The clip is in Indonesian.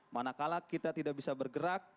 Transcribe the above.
manakala kita tidak bisa bergerak